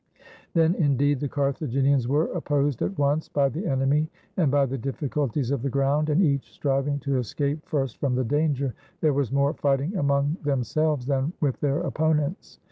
Then, in deed, the Carthaginians were opposed at once by the enemy and by the difficulties of the ground; and each striving to escape first from the danger, there was more fighting among themselves than with their opponents.